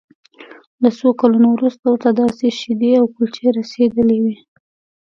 له څو کلونو وروسته ورته داسې شیدې او کلچې رسیدلې وې